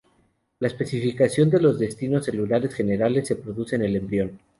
La especificación de los destinos celulares generales se produce en el embrión.